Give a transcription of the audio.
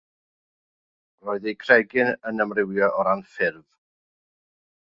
Roedd eu cregyn yn amrywio o ran ffurf.